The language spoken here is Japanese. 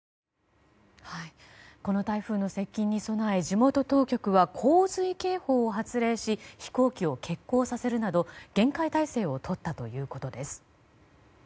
この台風の接近に備え地元当局は、洪水警報を発令し飛行機を欠航させるなど厳戒態勢をとったということです。